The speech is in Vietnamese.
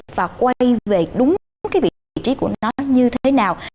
và quay về đúng cái vị trí của nó như thế nào